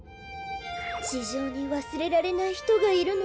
ちじょうにわすれられないひとがいるのね。